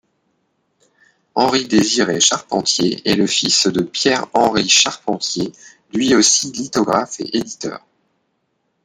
Henri-Désiré Charpentier est le fils de Pierre Henri Charpentier, lui aussi lithographe et éditeur.